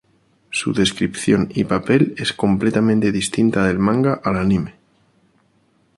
Su descripción y papel es completamente distinta del manga al anime.